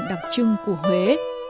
đặc trưng của huế